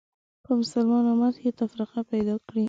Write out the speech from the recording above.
په مسلمان امت کې تفرقه پیدا کړې